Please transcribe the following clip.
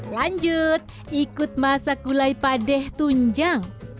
lanjut ikut masak gulai padeh tunjang